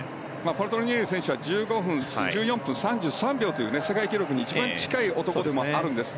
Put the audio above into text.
パルトリニエリ選手は１４分３３秒という世界記録に一番近い男でもあるんです。